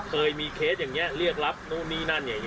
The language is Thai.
เคยมีเคสอย่างนี้เรียกรับนู่นนี่นั่นอย่างนี้